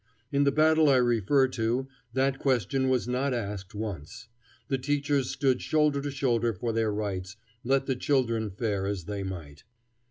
In the battle I refer to that question was not asked once. The teachers stood shoulder to shoulder for their rights, let the children fare as they might.